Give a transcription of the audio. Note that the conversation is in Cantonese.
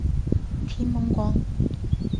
天矇光